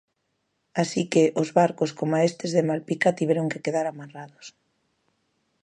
Así que, os barcos, coma estes de Malpica, tiveron que quedar amarrados.